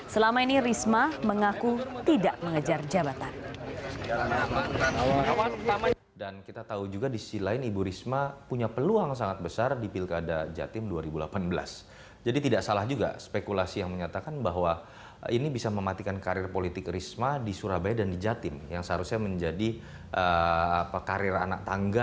selama ini risma mengaku tidak mengejar jabatan